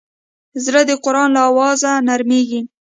زړه د قرآن له اوازه نرمېږي.